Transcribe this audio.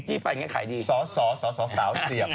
จะแก้ใครดีสอเสียบ